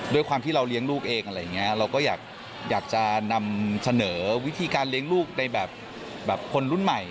ด้วยความที่เราเลี้ยงลูกเองอะไรอย่างนี้เราก็อยากจะนำเสนอวิธีการเลี้ยงลูกในแบบคนรุ่นใหม่